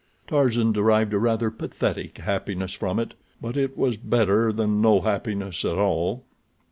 Tarzan derived a rather pathetic happiness from it, but it was better than no happiness at all.